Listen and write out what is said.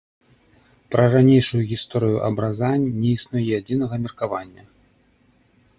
Пра ранейшую гісторыю абраза не існуе адзінага меркавання.